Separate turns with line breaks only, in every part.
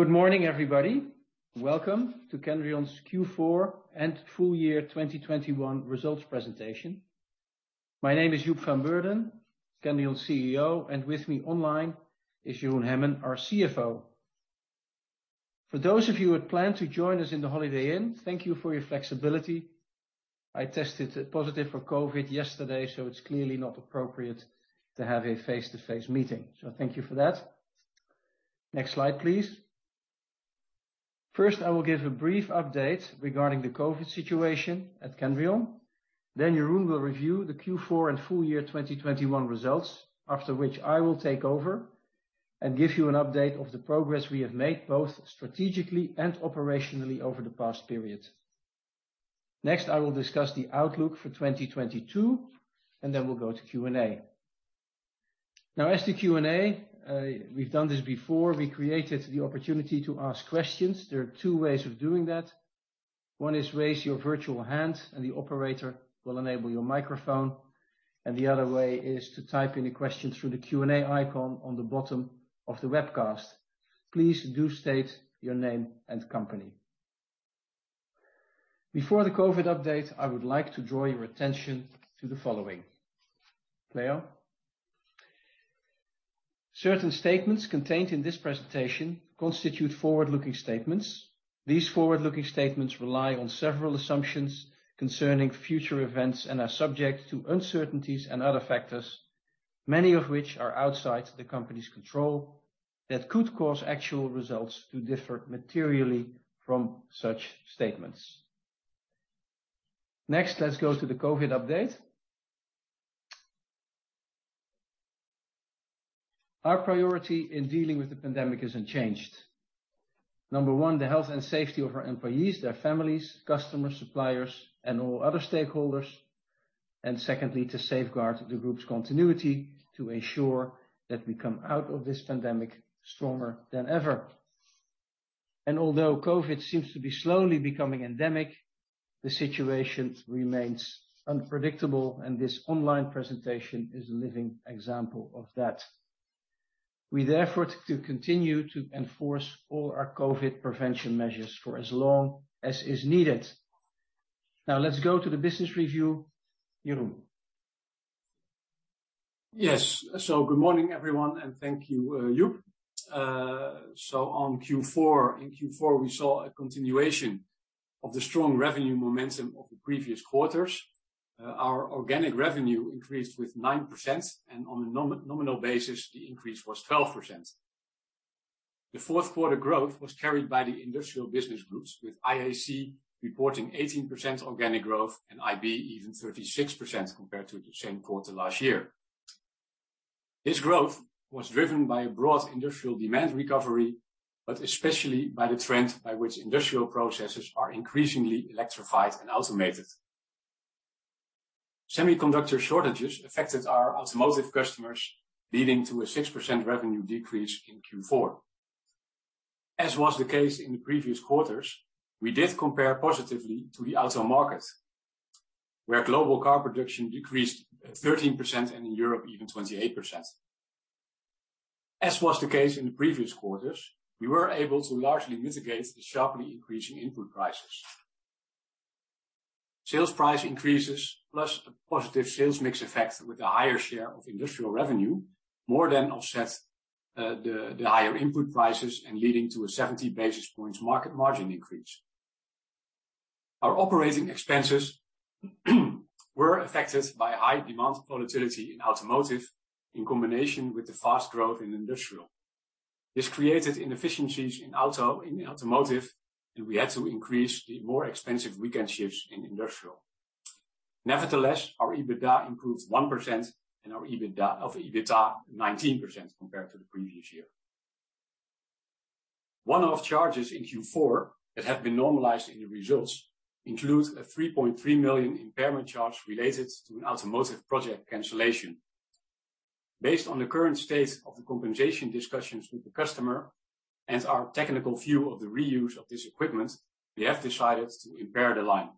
Good morning, everybody. Welcome to Kendrion's Q4 and full year 2021 results presentation. My name is Joep van Beurden, Kendrion's CEO, and with me online is Jeroen Hemmen, our CFO. For those of you who had planned to join us in the Holiday Inn, thank you for your flexibility. I tested positive for COVID yesterday, so it's clearly not appropriate to have a face-to-face meeting. Thank you for that. Next slide, please. First, I will give a brief update regarding the COVID situation at Kendrion. Then Jeroen will review the Q4 and full year 2021 results, after which I will take over and give you an update of the progress we have made, both strategically and operationally over the past period. Next, I will discuss the outlook for 2022, and then we'll go to Q&A. Now, as to Q&A, we've done this before. We created the opportunity to ask questions. There are two ways of doing that. One is raise your virtual hand and the operator will enable your microphone, and the other way is to type any questions through the Q&A icon on the bottom of the webcast. Please do state your name and company. Before the COVID update, I would like to draw your attention to the following. Claire.
Certain statements contained in this presentation constitute forward-looking statements. These forward-looking statements rely on several assumptions concerning future events and are subject to uncertainties and other factors, many of which are outside the company's control, that could cause actual results to differ materially from such statements. Next, let's go to the COVID update. Our priority in dealing with the pandemic isn't changed. Number one, the health and safety of our employees, their families, customers, suppliers, and all other stakeholders. Secondly, to safeguard the group's continuity to ensure that we come out of this pandemic stronger than ever. Although COVID seems to be slowly becoming endemic, the situation remains unpredictable, and this online presentation is a living example of that. We therefore continue to enforce all our COVID prevention measures for as long as is needed. Now, let's go to the business review. Jeroen.
Good morning, everyone, and thank you, Joep. On Q4. In Q4, we saw a continuation of the strong revenue momentum of the previous quarters. Our organic revenue increased with 9%, and on a nominal basis, the increase was 12%. The fourth quarter growth was carried by the industrial business groups, with IAC reporting 18% organic growth and IB even 36% compared to the same quarter last year. This growth was driven by a broad industrial demand recovery, but especially by the trend by which industrial processes are increasingly electrified and automated. Semiconductor shortages affected our automotive customers, leading to a 6% revenue decrease in Q4. As was the case in the previous quarters, we did compare positively to the auto market, where global car production decreased 13%, and in Europe even 28%. As was the case in the previous quarters, we were able to largely mitigate the sharply increasing input prices. Sales price increases, plus a positive sales mix effect with a higher share of industrial revenue, more than offset the higher input prices and leading to a 70 basis points gross margin increase. Our operating expenses were affected by high demand volatility in automotive in combination with the fast growth in industrial. This created inefficiencies in automotive, and we had to increase the more expensive weekend shifts in industrial. Nevertheless, our EBITDA improved 1% and our EBITDA margin of 19% compared to the previous year. One-off charges in Q4 that have been normalized in the results include a 3.3 million impairment charge related to an automotive project cancellation. Based on the current state of the compensation discussions with the customer and our technical view of the reuse of this equipment, we have decided to impair the line.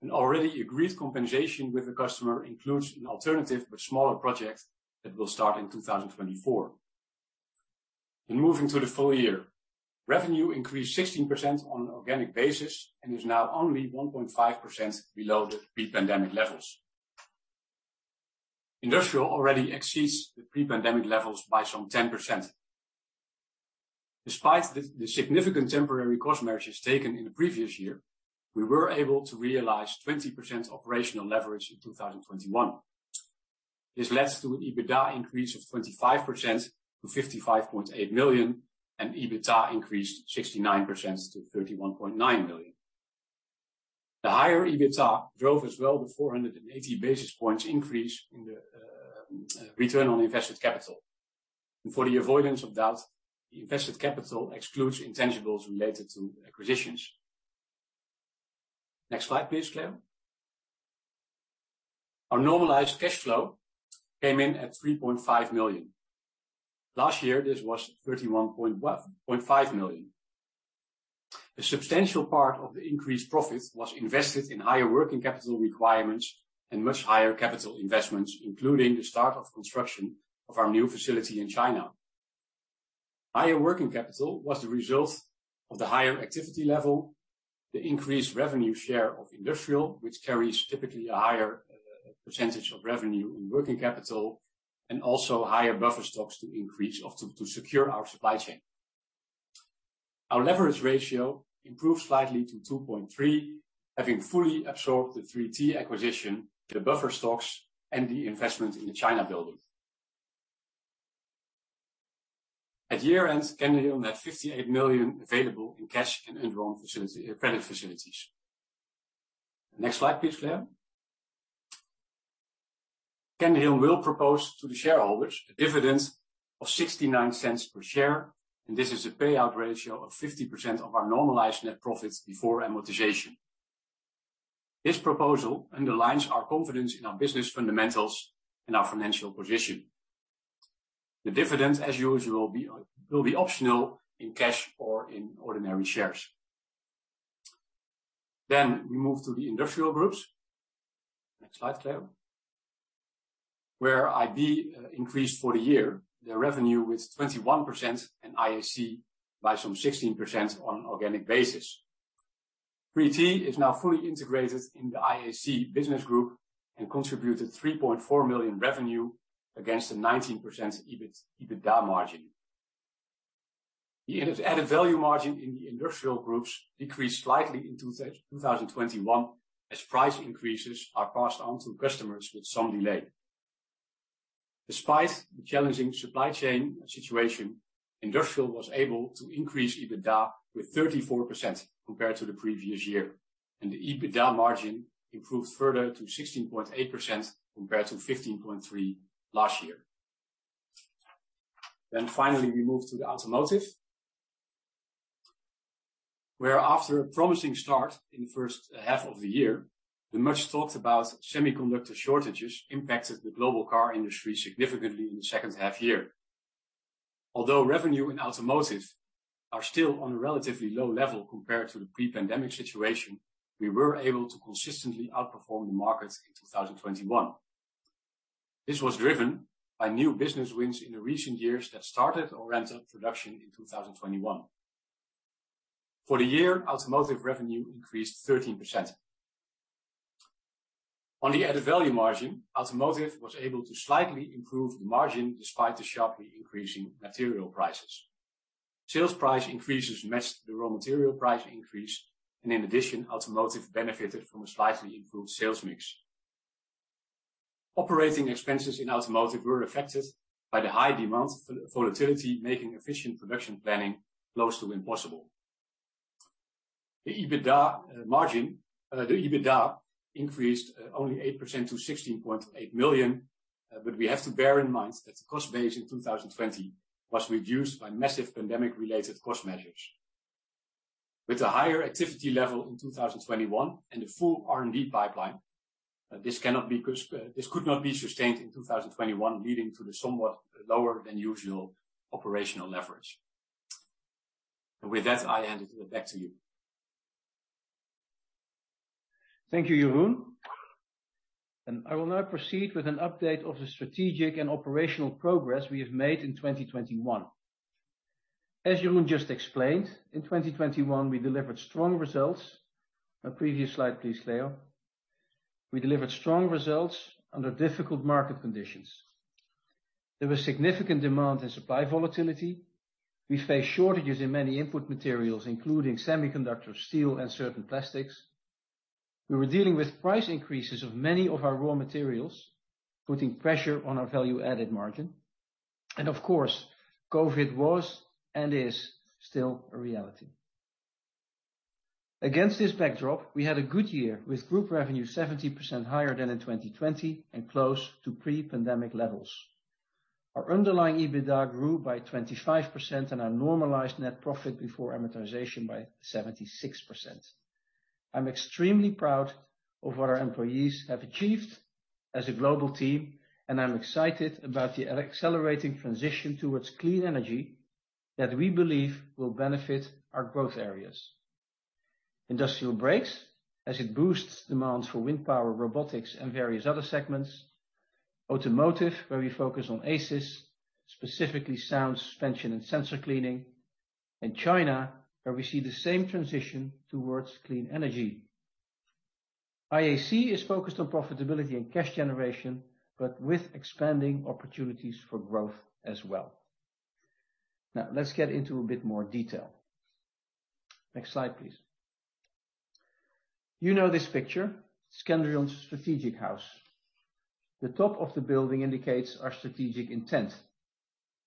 An already agreed compensation with the customer includes an alternative but smaller project that will start in 2024. Moving to the full year. Revenue increased 16% on an organic basis and is now only 1.5% below the pre-pandemic levels. Industrial already exceeds the pre-pandemic levels by some 10%. Despite the significant temporary cost measures taken in the previous year, we were able to realize 20% operational leverage in 2021. This led to an EBITDA increase of 25% to 55.8 million and EBITA increased 69% to 31.9 million. The higher EBITA drove as well the 480 basis points increase in the return on invested capital. For the avoidance of doubt, the invested capital excludes intangibles related to acquisitions. Next slide, please, Claire.
Our normalized cash flow came in at 3.5 million. Last year, this was 31.5 million. A substantial part of the increased profit was invested in higher working capital requirements and much higher capital investments, including the start of construction of our new facility in China. Higher working capital was the result of the higher activity level, the increased revenue share of industrial, which carries typically a higher percentage of revenue in working capital, and also higher buffer stocks to increase or to secure our supply chain.
Our leverage ratio improved slightly to 2.3, having fully absorbed the 3T acquisition, the buffer stocks and the investment in the China building. At year-end, Kendrion had 58 million available in cash and undrawn credit facilities. Next slide please, Claire.
Kendrion will propose to the shareholders a dividend of 0.69 per share, and this is a payout ratio of 50% of our normalized net profits before amortization. This proposal underlines our confidence in our business fundamentals and our financial position. The dividend, as usual, will be optional in cash or in ordinary shares. We move to the industrial groups. Next slide, Claire. Where IB increased for the year, their revenue with 21% and IAC by some 16% on an organic basis.
3T is now fully integrated in the IAC business group and contributed 3.4 million revenue at a 19% EBITA, EBITDA margin. The added value margin in the industrial groups decreased slightly in 2021 as price increases are passed on to customers with some delay. Despite the challenging supply chain situation, Industrial was able to increase EBITDA by 34% compared to the previous year, and the EBITDA margin improved further to 16.8% compared to 15.3% last year. Finally, we move to the automotive, where after a promising start in the first half of the year, the much-talked about semiconductor shortages impacted the global car industry significantly in the second half year. Although revenue in automotive are still on a relatively low level compared to the pre-pandemic situation, we were able to consistently outperform the market in 2021. This was driven by new business wins in the recent years that started or ramped up production in 2021. For the year, automotive revenue increased 13%. On the added value margin, automotive was able to slightly improve the margin despite the sharply increasing material prices. Sales price increases matched the raw material price increase, and in addition, automotive benefited from a slightly improved sales mix. Operating expenses in automotive were affected by the high volatility, making efficient production planning close to impossible. The EBITDA margin, the EBITDA increased only 8% to 16.8 million, but we have to bear in mind that the cost base in 2020 was reduced by massive pandemic-related cost measures. With a higher activity level in 2021 and a full R&D pipeline, this could not be sustained in 2021, leading to the somewhat lower than usual operational leverage. With that, I hand it back to you.
Thank you, Jeroen. I will now proceed with an update of the strategic and operational progress we have made in 2021. As Jeroen just explained, in 2021, we delivered strong results. A previous slide, please, Claire. We delivered strong results under difficult market conditions. There was significant demand and supply volatility. We faced shortages in many input materials, including semiconductors, steel, and certain plastics. We were dealing with price increases of many of our raw materials, putting pressure on our value-added margin. Of course, COVID was and is still a reality. Against this backdrop, we had a good year with group revenue 70% higher than in 2020 and close to pre-pandemic levels. Our underlying EBITDA grew by 25% and our normalized net profit before amortization by 76%. I'm extremely proud of what our employees have achieved as a global team, and I'm excited about the accelerating transition towards clean energy that we believe will benefit our growth areas. Industrial Brakes, as it boosts demand for wind power, robotics, and various other segments. Automotive, where we focus on ACES, specifically sound suspension and sensor cleaning. China, where we see the same transition towards clean energy. IAC is focused on profitability and cash generation, but with expanding opportunities for growth as well. Now let's get into a bit more detail. Next slide, please. You know this picture, Kendrion's strategic house. The top of the building indicates our strategic intent.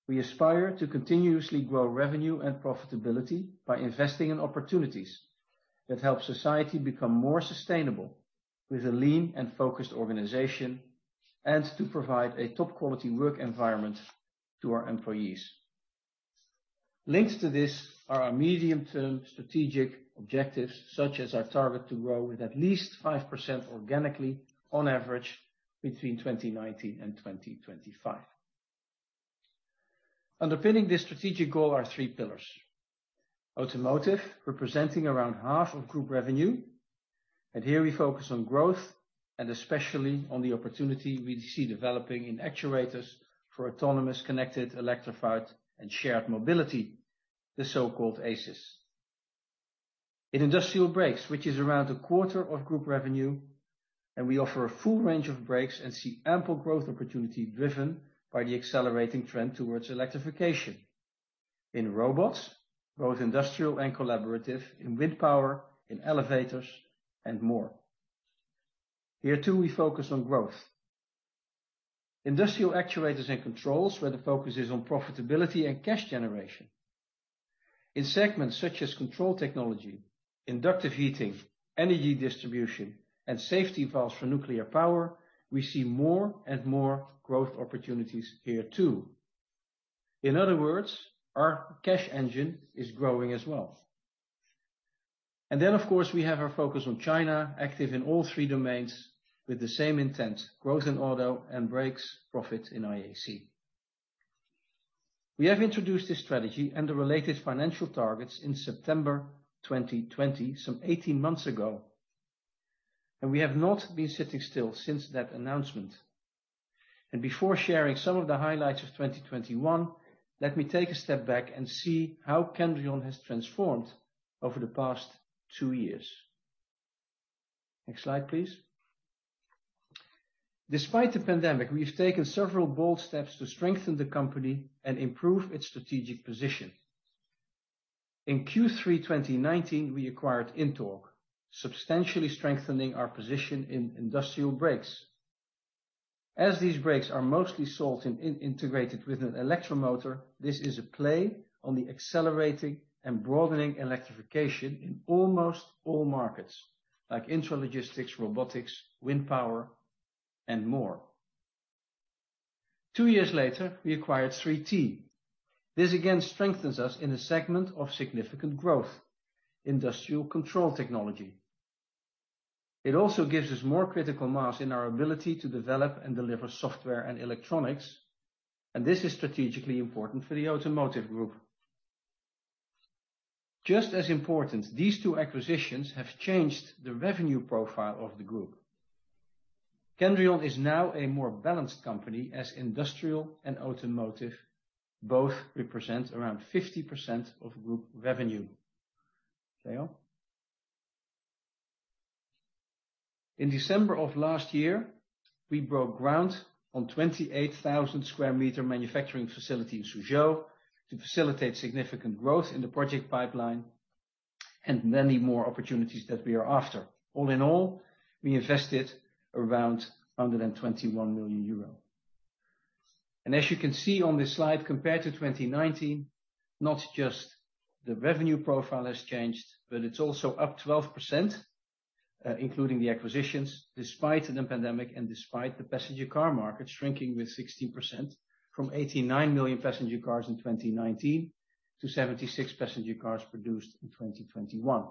We aspire to continuously grow revenue and profitability by investing in opportunities that help society become more sustainable with a lean and focused organization, and to provide a top-quality work environment to our employees. Linked to this are our medium-term strategic objectives, such as our target to grow with at least 5% organically on average between 2019 and 2025. Underpinning this strategic goal are three pillars. Automotive, representing around half of group revenue. Here we focus on growth and especially on the opportunity we see developing in actuators for autonomous, connected, electrified and shared mobility, the so-called ACES. In industrial brakes, which is around a quarter of group revenue, we offer a full range of brakes and see ample growth opportunity driven by the accelerating trend towards electrification in robots, both industrial and collaborative, in wind power, in elevators, and more. Here, too, we focus on growth. Industrial actuators and controls, where the focus is on profitability and cash generation. In segments such as control technology, inductive heating, energy distribution, and safety files for nuclear power, we see more and more growth opportunities here too. In other words, our cash engine is growing as well. Of course, we have our focus on China, active in all three domains with the same intent, growth in auto and brakes profit in IAC. We have introduced this strategy and the related financial targets in September 2020, some 18 months ago, and we have not been sitting still since that announcement. Before sharing some of the highlights of 2021, let me take a step back and see how Kendrion has transformed over the past two years. Next slide, please. Despite the pandemic, we've taken several bold steps to strengthen the company and improve its strategic position. In Q3 2019, we acquired INTORQ, substantially strengthening our position in industrial brakes. As these brakes are mostly sold and integrated with an electromotor, this is a play on the accelerating and broadening electrification in almost all markets, like intralogistics, robotics, wind power, and more. Two years later, we acquired 3T. This again strengthens us in a segment of significant growth, industrial control technology. It also gives us more critical mass in our ability to develop and deliver software and electronics, and this is strategically important for the automotive group. Just as important, these two acquisitions have changed the revenue profile of the group. Kendrion is now a more balanced company as industrial and automotive both represent around 50% of group revenue. Leo. In December of last year, we broke ground on 28,000 sq m manufacturing facility in Suzhou to facilitate significant growth in the project pipeline and many more opportunities that we are after. All in all, we invested around 121 million euro. As you can see on this slide, compared to 2019, not just the revenue profile has changed, but it's also up 12%, including the acquisitions despite the pandemic and despite the passenger car market shrinking with 16% from 89 million passenger cars in 2019 to 76 million passenger cars produced in 2021.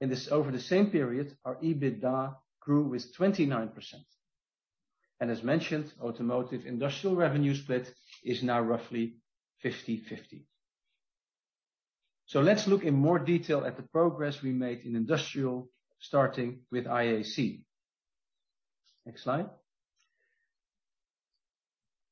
This over the same period, our EBITDA grew with 29%. As mentioned, automotive industrial revenue split is now roughly 50/50. Let's look in more detail at the progress we made in industrial, starting with IAC. Next slide.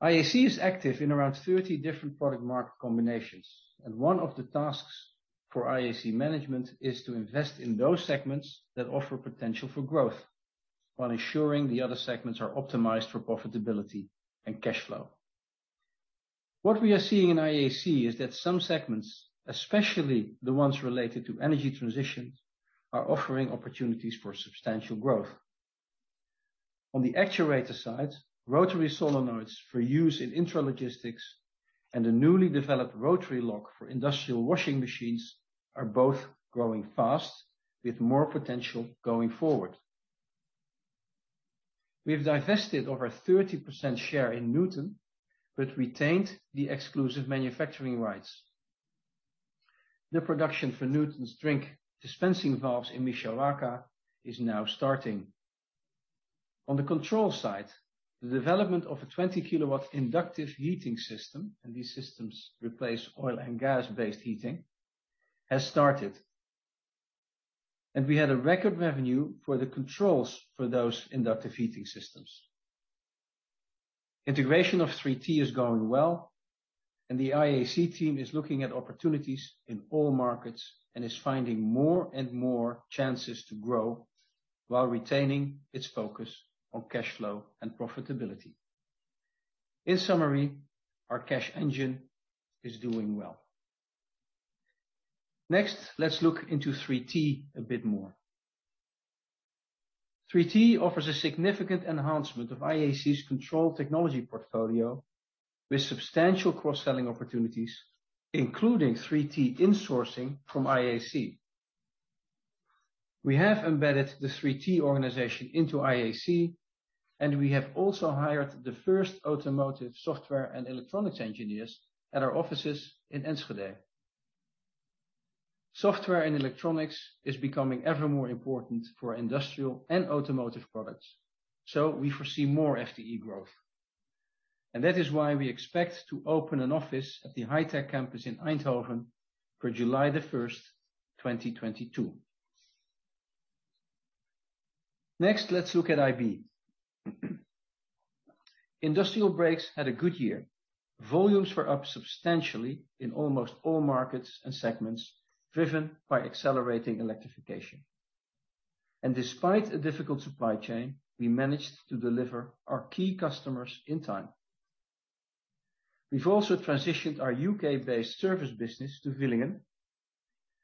IAC is active in around 30 different product market combinations, and one of the tasks for IAC management is to invest in those segments that offer potential for growth while ensuring the other segments are optimized for profitability and cash flow. What we are seeing in IAC is that some segments, especially the ones related to energy transitions, are offering opportunities for substantial growth. On the actuator side, rotary solenoids for use in intralogistics and a newly developed rotary lock for industrial washing machines are both growing fast with more potential going forward. We have divested over 30% share in Newton, but retained the exclusive manufacturing rights. The production for Newton's beverage dispensing valves in Mishawaka is now starting. On the control side, the development of a 20 kW inductive heating system, and these systems replace oil and gas-based heating, has started. We had a record revenue for the controls for those inductive heating systems. Integration of 3T is going well, and the IAC team is looking at opportunities in all markets and is finding more and more chances to grow while retaining its focus on cash flow and profitability. In summary, our cash engine is doing well. Next, let's look into 3T a bit more. 3T offers a significant enhancement of IAC's control technology portfolio with substantial cross-selling opportunities, including 3T insourcing from IAC. We have embedded the 3T organization into IAC, and we have also hired the first automotive software and electronics engineers at our offices in Enschede. Software and electronics is becoming ever more important for industrial and automotive products. We foresee more FTE growth. That is why we expect to open an office at the High Tech Campus in Eindhoven for July 1, 2022. Next, let's look at IB. Industrial Brakes had a good year. Volumes were up substantially in almost all markets and segments, driven by accelerating electrification. Despite a difficult supply chain, we managed to deliver our key customers in time. We've also transitioned our U.K.-based service business to Villingen.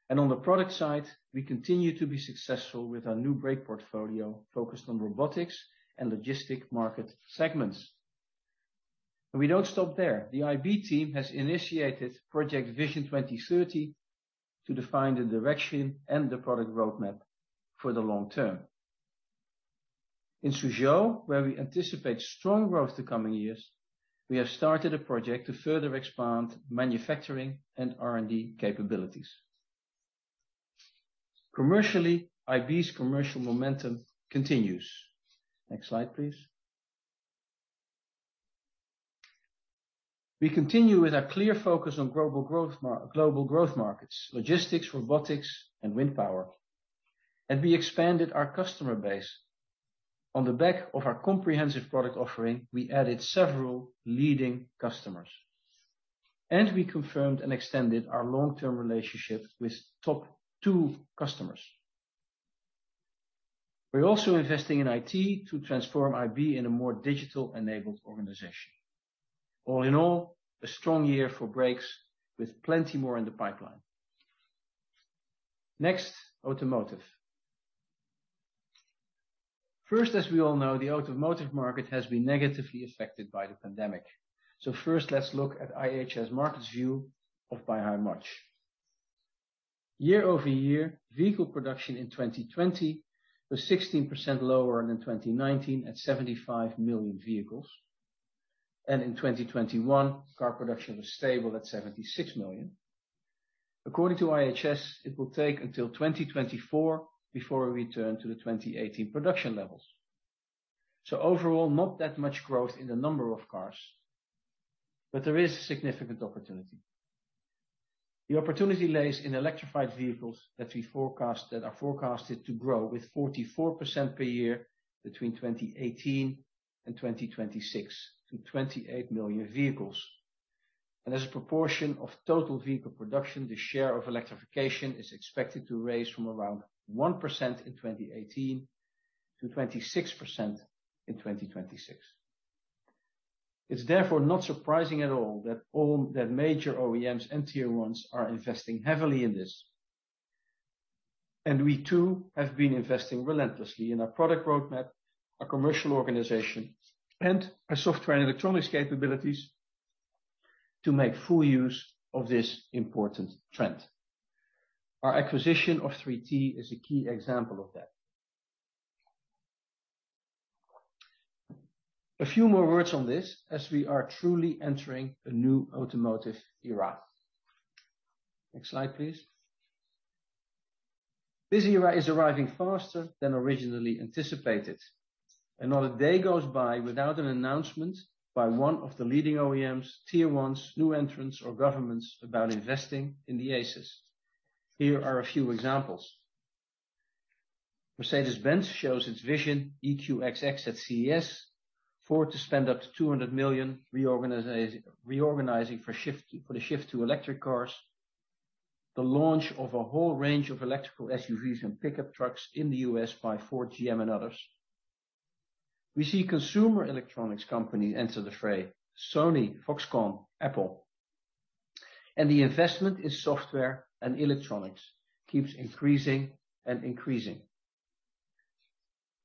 On the product side, we continue to be successful with our new brake portfolio focused on robotics and logistics market segments. We don't stop there. The IB team has initiated Project Vision 2030 to define the direction and the product roadmap for the long term. In Suzhou, where we anticipate strong growth the coming years, we have started a project to further expand manufacturing and R&D capabilities. Commercially, IB's commercial momentum continues. Next slide, please. We continue with our clear focus on global growth markets, logistics, robotics, and wind power. We expanded our customer base. On the back of our comprehensive product offering, we added several leading customers. We confirmed and extended our long-term relationship with top two customers. We're also investing in IT to transform IB into a more digital-enabled organization. All in all, a strong year for Brakes with plenty more in the pipeline. Next, Automotive. First, as we all know, the automotive market has been negatively affected by the pandemic. First, let's look at IHS Markit's view of by how much. Year-over-year, vehicle production in 2020 was 16% lower than in 2019 at 75 million vehicles. In 2021, car production was stable at 76 million. According to IHS, it will take until 2024 before we return to the 2018 production levels. Overall, not that much growth in the number of cars, but there is significant opportunity. The opportunity lies in electrified vehicles that are forecasted to grow with 44% per year between 2018 and 2026 to 28 million vehicles. As a proportion of total vehicle production, the share of electrification is expected to rise from around 1% in 2018 to 26% in 2026. It's therefore not surprising at all that major OEMs and Tier 1s are investing heavily in this. We too have been investing relentlessly in our product roadmap, our commercial organization, and our software and electronics capabilities to make full use of this important trend. Our acquisition of 3T is a key example of that. A few more words on this as we are truly entering a new automotive era. Next slide, please. This era is arriving faster than originally anticipated. Not a day goes by without an announcement by one of the leading OEMs, Tier 1s, new entrants, or governments about investing in the ACES. Here are a few examples. Mercedes-Benz shows its VISION EQXX at CES. Ford to spend up to $200 million reorganizing for the shift to electric cars. The launch of a whole range of electric SUVs and pickup trucks in the U.S. by Ford, GM, and others. We see consumer electronics companies enter the fray, Sony, Foxconn, Apple. The investment in software and electronics keeps increasing and increasing.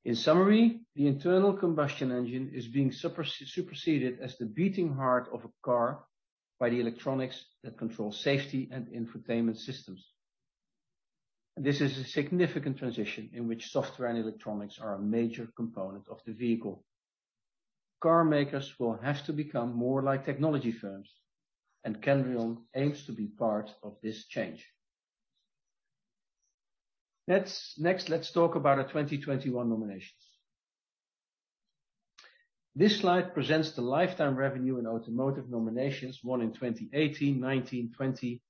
In summary, the internal combustion engine is being superseded as the beating heart of a car by the electronics that control safety and infotainment systems. This is a significant transition in which software and electronics are a major component of the vehicle. Car makers will have to become more like technology firms, and Kendrion aims to be part of this change. Next, let's talk about our 2021 nominations. This slide presents the lifetime revenue and automotive nominations won in 2018, 2019, 2020,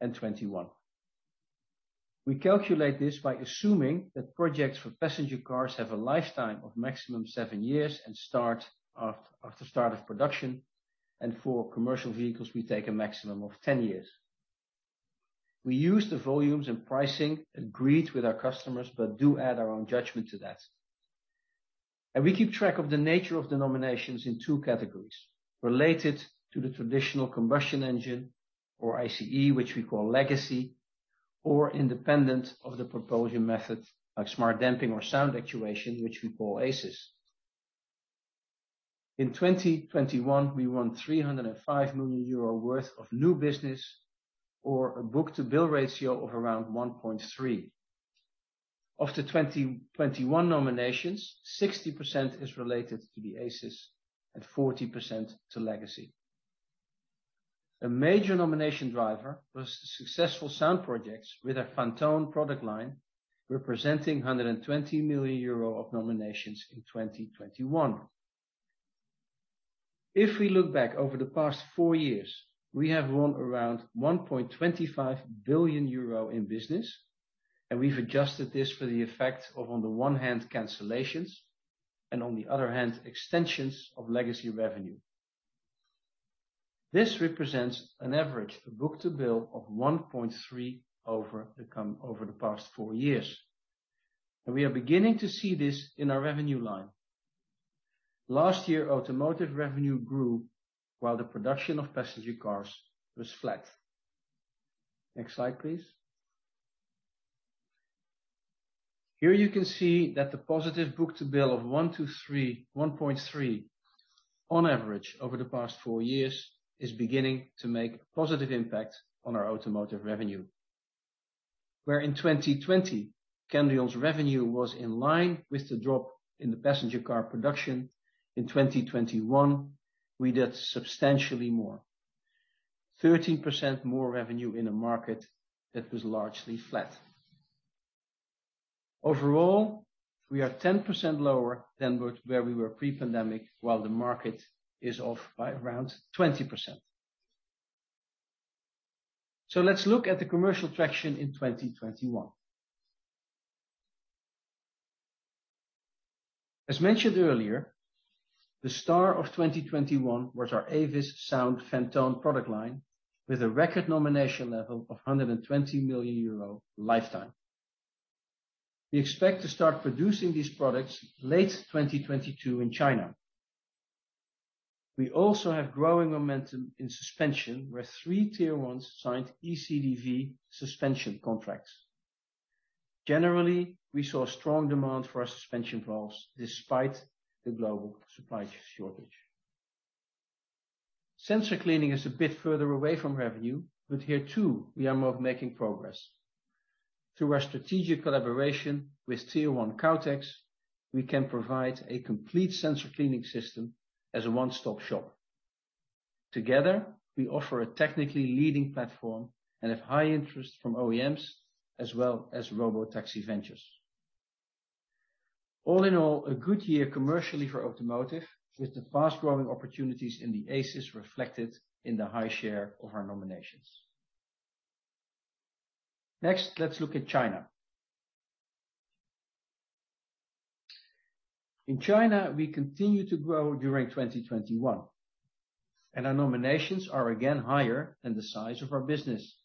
and 2021. We calculate this by assuming that projects for passenger cars have a lifetime of maximum 7 years and start after start of production. For commercial vehicles, we take a maximum of 10 years. We use the volumes and pricing agreed with our customers, but do add our own judgment to that. We keep track of the nature of the nominations in two categories related to the traditional combustion engine or ICE, which we call legacy, or independent of the propulsion method, like smart damping or sound actuation, which we call ACES. In 2021, we won 305 million euro worth of new business or a book-to-bill ratio of around 1.3. Of the 2021 nominations, 60% is related to the ACES and 40% to legacy. A major nomination driver was the successful sound projects with our PHANTONE product line, representing 120 million euro of nominations in 2021. If we look back over the past four years, we have won around 1.25 billion euro in business, and we've adjusted this for the effect of, on the one hand, cancellations and on the other hand, extensions of legacy revenue. This represents an average of book-to-bill of 1.3 over the past four years, and we are beginning to see this in our revenue line. Last year, automotive revenue grew while the production of passenger cars was flat. Next slide, please. Here you can see that the positive book-to-bill of 1.0-1.3 on average over the past four years is beginning to make a positive impact on our automotive revenue. In 2020, Kendrion's revenue was in line with the drop in the passenger car production. In 2021 we did substantially more, 13% more revenue in a market that was largely flat. Overall, we are 10% lower than where we were pre-pandemic while the market is off by around 20%. Let's look at the commercial traction in 2021. As mentioned earlier, the star of 2021 was our AVAS sound PHANTONE product line with a record nomination level of 120 million euro lifetime. We expect to start producing these products late 2022 in China. We also have growing momentum in suspension, where three Tier One signed eCDV suspension contracts. Generally, we saw strong demand for our suspension valves despite the global supply shortage. Sensor cleaning is a bit further away from revenue, but here too we are making progress. Through our strategic collaboration with Tier One Kautex, we can provide a complete sensor cleaning system as a one-stop shop. Together, we offer a technically leading platform and have high interest from OEMs as well as robotaxi ventures. All in all, a good year commercially for automotive, with the fast-growing opportunities in the ACES reflected in the high share of our nominations. Next, let's look at China. In China, we continued to grow during 2021, and our nominations are again higher than the size of our business.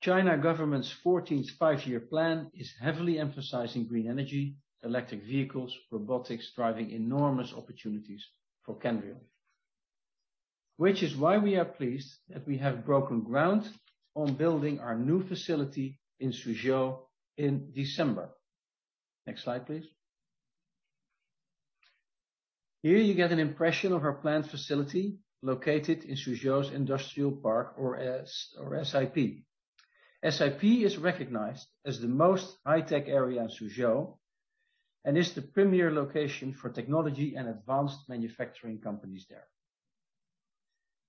China's government's 14th five-year plan is heavily emphasizing green energy, electric vehicles, robotics, driving enormous opportunities for Kendrion. Which is why we are pleased that we have broken ground on building our new facility in Suzhou in December. Next slide, please. Here you get an impression of our plant facility located in Suzhou's Industrial Park or SIP. SIP is recognized as the most high-tech area in Suzhou and is the premier location for technology and advanced manufacturing companies there.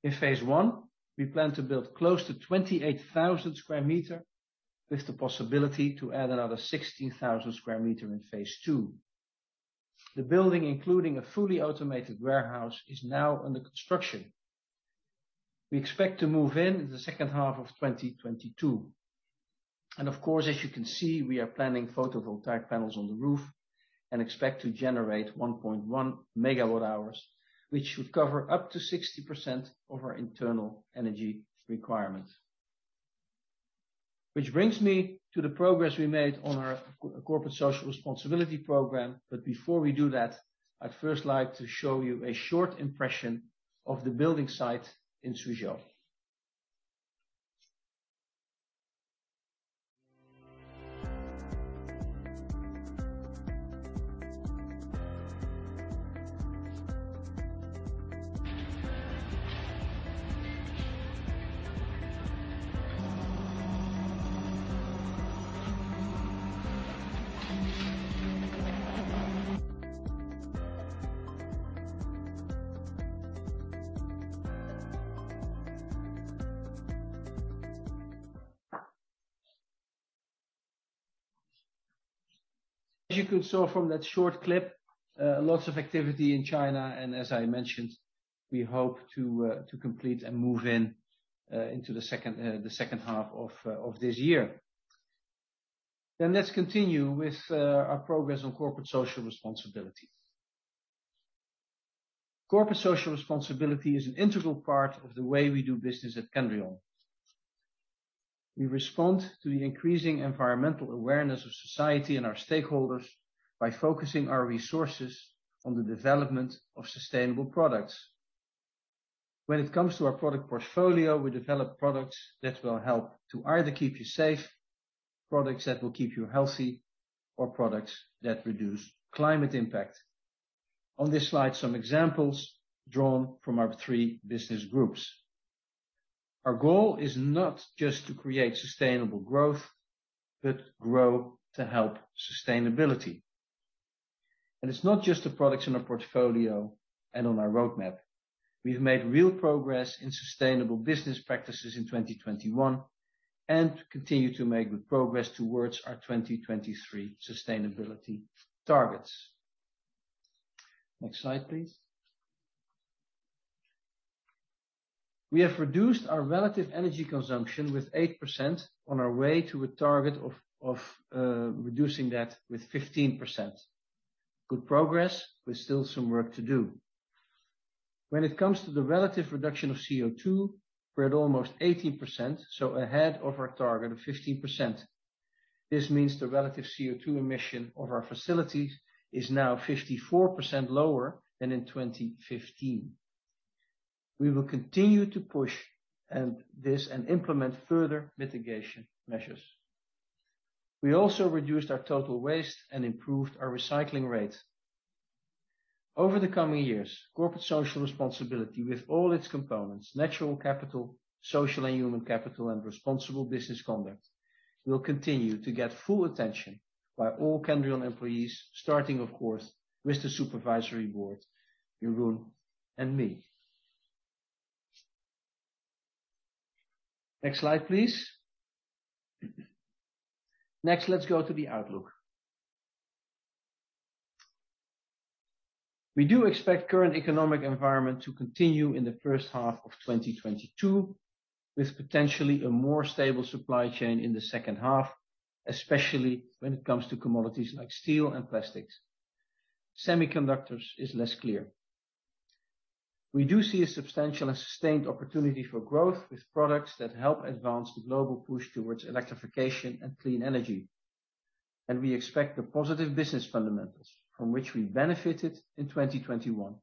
In phase one, we plan to build close to 28,000 sq m with the possibility to add another 16,000 sq m in phase two. The building, including a fully automated warehouse, is now under construction. We expect to move in in the second half of 2022. Of course, as you can see, we are planning photovoltaic panels on the roof and expect to generate 1.1 MWh, which should cover up to 60% of our internal energy requirements. Which brings me to the progress we made on our corporate social responsibility program. Before we do that, I'd first like to show you a short impression of the building site in Suzhou. As you could see from that short clip, lots of activity in China, and as I mentioned, we hope to complete and move into the second half of this year. Let's continue with our progress on corporate social responsibility. Corporate social responsibility is an integral part of the way we do business at Kendrion. We respond to the increasing environmental awareness of society and our stakeholders by focusing our resources on the development of sustainable products. When it comes to our product portfolio, we develop products that will help to either keep you safe, products that will keep you healthy, or products that reduce climate impact. On this slide, some examples drawn from our three business groups. Our goal is not just to create sustainable growth, but grow to help sustainability. It's not just the products in our portfolio and on our roadmap. We've made real progress in sustainable business practices in 2021, and continue to make good progress towards our 2023 sustainability targets. Next slide, please. We have reduced our relative energy consumption with 8% on our way to a target of reducing that with 15%. Good progress with still some work to do. When it comes to the relative reduction of CO2, we're at almost 18%, so ahead of our target of 15%. This means the relative CO2 emission of our facilities is now 54% lower than in 2015. We will continue to push this, and implement further mitigation measures. We also reduced our total waste and improved our recycling rate. Over the coming years, corporate social responsibility with all its components, natural capital, social and human capital, and responsible business conduct, will continue to get full attention by all Kendrion employees, starting of course, with the supervisory board, Jeroen and me. Next slide, please. Next, let's go to the outlook. We do expect current economic environment to continue in the first half of 2022, with potentially a more stable supply chain in the second half, especially when it comes to commodities like steel and plastics. Semiconductors is less clear. We do see a substantial and sustained opportunity for growth with products that help advance the global push towards electrification and clean energy. We expect the positive business fundamentals from which we benefited in 2021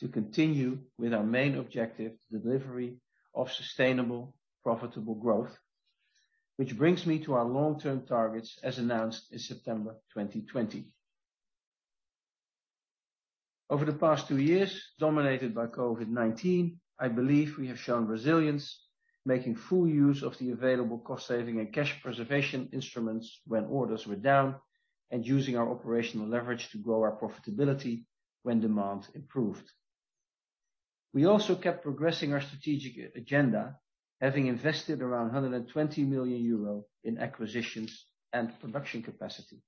to continue with our main objective, delivery of sustainable, profitable growth. Which brings me to our long-term targets as announced in September 2020. Over the past two years, dominated by COVID-19, I believe we have shown resilience, making full use of the available cost saving and cash preservation instruments when orders were down, and using our operational leverage to grow our profitability when demand improved. We also kept progressing our strategic agenda, having invested around 120 million euro in acquisitions and production capacity.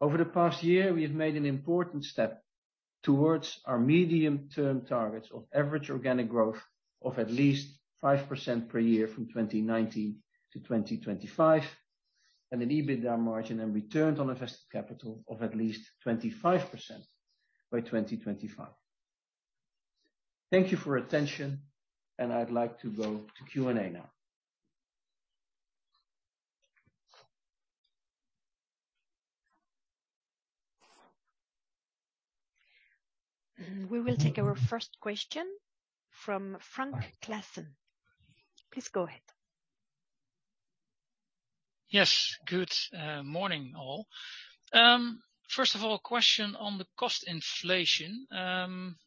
Over the past year, we have made an important step towards our medium-term targets of average organic growth of at least 5% per year from 2019 to 2025, and an EBITDA margin and return on invested capital of at least 25% by 2025. Thank you for attention, and I'd like to go to Q&A now.
We will take our first question from Frank Claassen. Please go ahead.
Yes. Good morning, all. First of all, a question on the cost inflation. I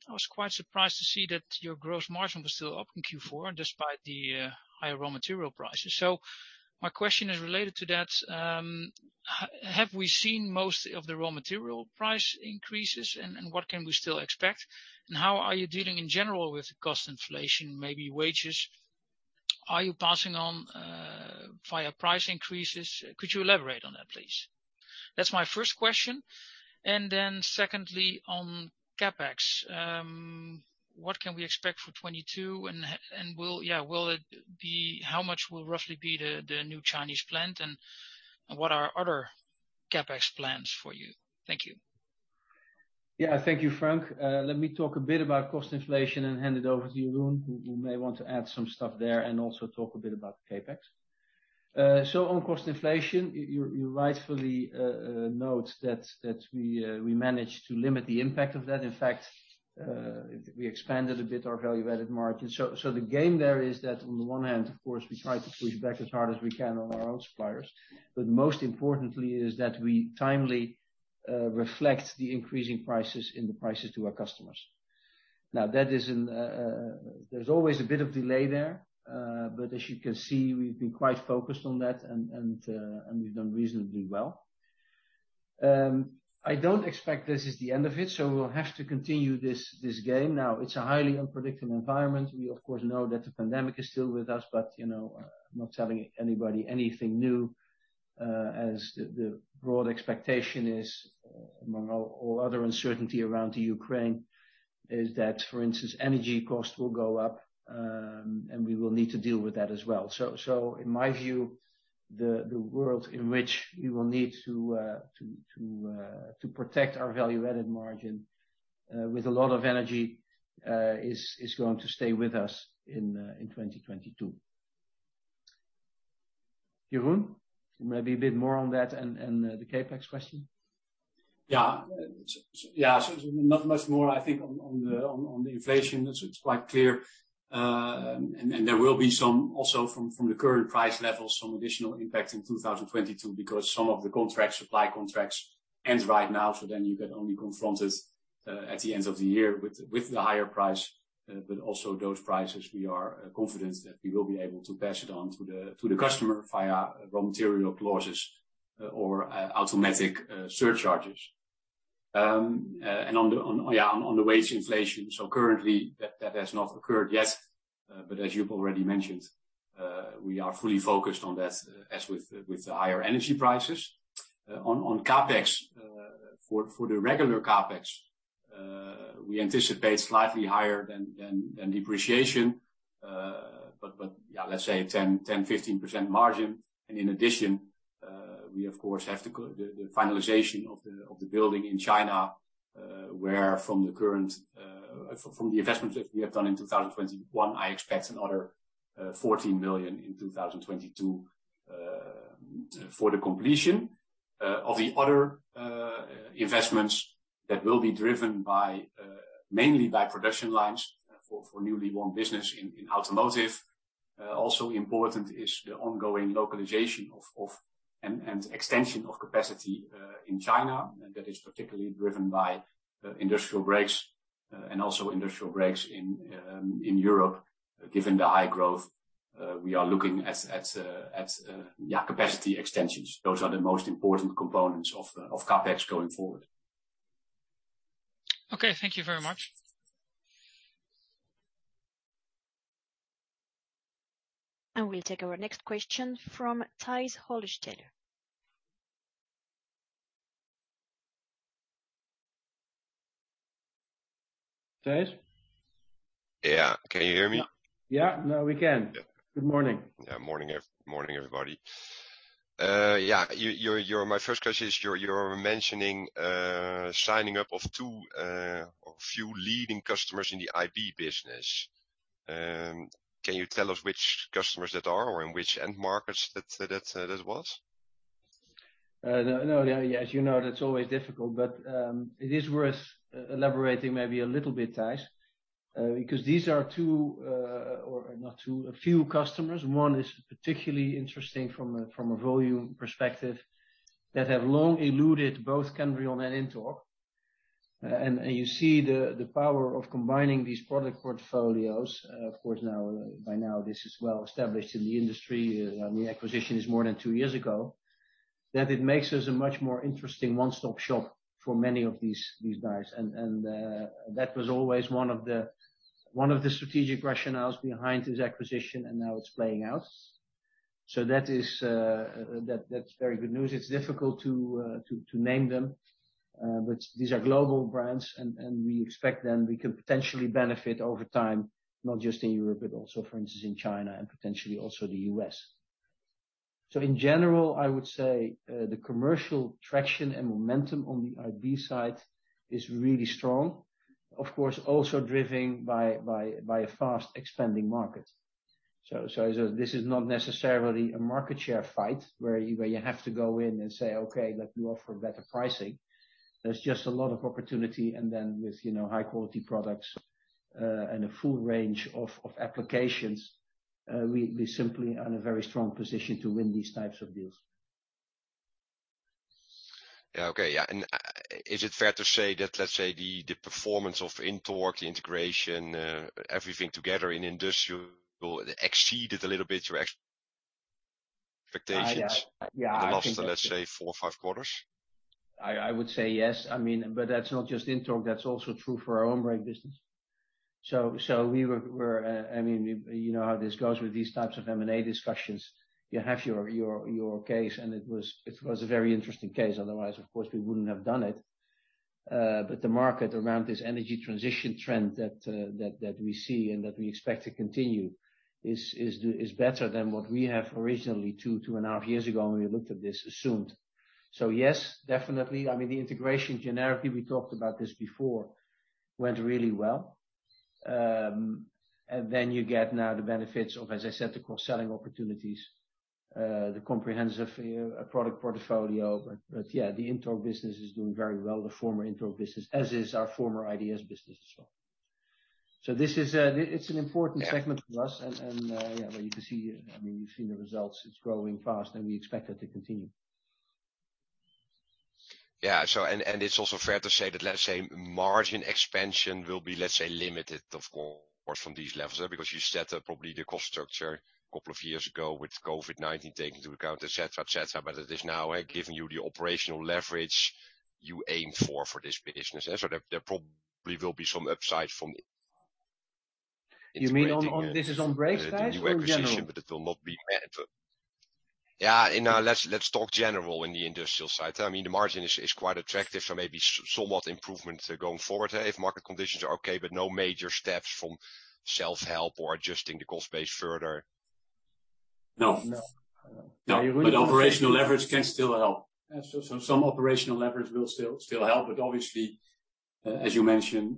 was quite surprised to see that your gross margin was still up in Q4 despite the higher raw material prices. My question is related to that. Have we seen most of the raw material price increases? And what can we still expect? And how are you dealing in general with cost inflation, maybe wages? Are you passing on via price increases? Could you elaborate on that, please? That's my first question. Secondly, on CapEx, what can we expect for 2022? And will it be? How much will roughly be the new Chinese plant and what are other CapEx plans for you? Thank you.
Yeah. Thank you, Frank. Let me talk a bit about cost inflation and hand it over to Jeroen, who may want to add some stuff there and also talk a bit about CapEx. On cost inflation, you rightfully note that we managed to limit the impact of that. In fact, we expanded a bit our value-added margin. The gain there is that on the one hand, of course, we try to push back as hard as we can on our own suppliers, but most importantly is that we timely reflect the increasing prices in the prices to our customers. Now, that is inherent. There's always a bit of delay there, but as you can see, we've been quite focused on that and we've done reasonably well. I don't expect this is the end of it, so we'll have to continue this game. Now, it's a highly unpredictable environment. We of course know that the pandemic is still with us, but you know, not telling anybody anything new, as the broad expectation is, among all other uncertainty around the Ukraine, is that, for instance, energy costs will go up, and we will need to deal with that as well. In my view, the world in which we will need to protect our value-added margin with a lot of energy is going to stay with us in 2022. Jeroen, maybe a bit more on that and the CapEx question.
Not much more, I think, on the inflation as it's quite clear. There will be some also from the current price level, some additional impact in 2022, because some of the contracts, supply contracts end right now. Then you get only confronted at the end of the year with the higher price. But also those prices, we are confident that we will be able to pass it on to the customer via raw material clauses. Automatic surcharges. On the wage inflation, currently that has not occurred yet, but as you've already mentioned, we are fully focused on that, as with the higher energy prices. On CapEx for the regular CapEx, we anticipate slightly higher than depreciation. Yeah, let's say 10%-15% margin. In addition, we of course have to go the finalization of the building in China, where from the investments that we have done in 2021, I expect another 14 million in 2022 for the completion.
Of the other investments that will be driven mainly by production lines for newly won business in automotive. Also important is the ongoing localization and extension of capacity in China, and that is particularly driven by industrial brakes in Europe. Given the high growth, we are looking at capacity extensions. Those are the most important components of the CapEx going forward.
Okay. Thank you very much.
We'll take our next question from Thijs' Hollestelle.
Thijs?
Yeah. Can you hear me?
Yeah, no, we can.
Yeah.
Good morning.
Good morning, everybody. My first question is you're mentioning signing up of 2 or a few leading customers in the IP business. Can you tell us which customers that are or in which end markets that was?
Yeah, as you know, that's always difficult, but it is worth elaborating maybe a little bit, Thijs, because these are two, or not two, a few customers. One is particularly interesting from a volume perspective that have long eluded both Kendrion and INTORQ. You see the power of combining these product portfolios. Of course now, by now this is well established in the industry. The acquisition is more than two years ago. That it makes us a much more interesting one-stop shop for many of these buyers. That was always one of the strategic rationales behind this acquisition, and now it's playing out. That is, that's very good news. It's difficult to name them, but these are global brands and we expect them—we could potentially benefit over time, not just in Europe, but also for instance in China and potentially also the US. In general, I would say the commercial traction and momentum on the IB side is really strong. Of course, also driven by a fast expanding market. This is not necessarily a market share fight where you have to go in and say, "Okay, let me offer better pricing." There's just a lot of opportunity and then with, you know, high quality products and a full range of applications, we simply are in a very strong position to win these types of deals.
Is it fair to say that, let's say the performance of INTORQ, the integration, everything together in Industrial exceeded a little bit your expectations?
Yeah.
In the last, let's say, four or five quarters?
I would say yes. I mean, that's not just INTORQ, that's also true for our own brand business. We were, I mean, you know how this goes with these types of M&A discussions. You have your case, and it was a very interesting case. Otherwise, of course, we wouldn't have done it. The market around this energy transition trend that we see and that we expect to continue is better than what we have originally 2.5 years ago when we looked at this assumed. Yes, definitely. I mean, the integration generically, we talked about this before, went really well. Then you get now the benefits of, as I said, the cross-selling opportunities, the comprehensive product portfolio. Yeah, the INTORQ business is doing very well, the former INTORQ business, as is our former IDS business as well. This is an important segment for us. Yeah, well, you can see, I mean, you've seen the results. It's growing fast, and we expect that to continue.
It's also fair to say that, let's say, margin expansion will be, let's say, limited of course from these levels there, because you set up probably the cost structure a couple of years ago with COVID-19 taken into account, et cetera. It is now giving you the operational leverage you aim for this business. There probably will be some upside from it.
You mean on brakes, Thijs, or in general?
The new acquisition, but it will not be. Yeah. Let's talk generally in the industrial side. I mean, the margin is quite attractive, so maybe some improvement going forward, if market conditions are okay, but no major steps from self-help or adjusting the cost base further.
No.
No.
No. Operational leverage can still help. Yeah. Some operational leverage will still help. Obviously, as you mentioned,